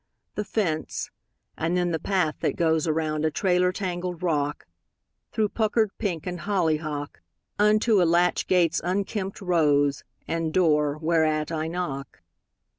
The fence; and then the path that goes Around a trailer tangled rock, Through puckered pink and hollyhock, Unto a latch gate's unkempt rose, And door whereat I knock.